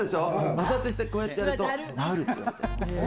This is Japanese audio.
摩擦して、こうやってやると治るって言われている。